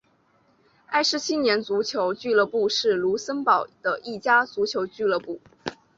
埃施青年足球俱乐部是卢森堡的一家足球俱乐部。